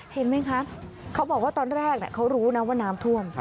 เห็นไหมคะเขาบอกว่าตอนแรกเขารู้นะว่าน้ำท่วม